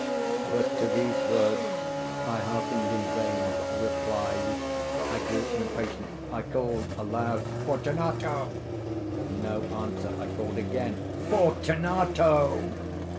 But to these words I hearkened in vain for a reply. I grew impatient. I called aloud— "Fortunato!" No answer. I called again— "Fortunato!"